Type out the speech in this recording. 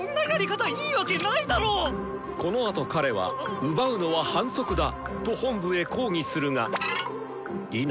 このあと彼は「奪うのは反則だ！」と本部へ抗議するが否！